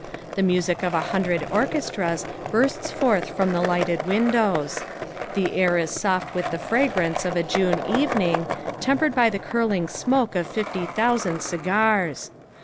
The music of a hundred orchestras bursts forth from the lighted windows. The air is soft with the fragrance of a June evening, tempered by the curling smoke of fifty thousand cigars.